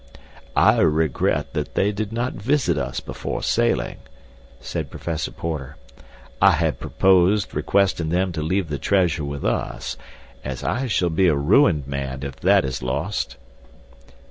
"I regret that they did not visit us before sailing," said Professor Porter. "I had proposed requesting them to leave the treasure with us, as I shall be a ruined man if that is lost."